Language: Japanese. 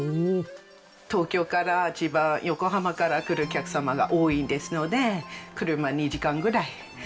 東京から千葉横浜から来るお客様が多いですので車で２時間ぐらい。